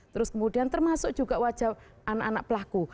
terus kemudian termasuk juga wajah anak anak pelaku